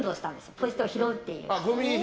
ポイ捨て拾うっていう。